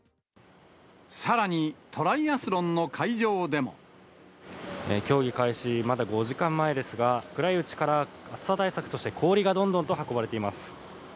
さらにトライアスロンの会場競技開始まだ５時間前ですが、暗いうちから暑さ対策として氷がどんどんと運ばれています。